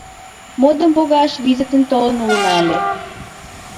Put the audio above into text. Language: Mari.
— Модым погаш визытын толын улына ыле.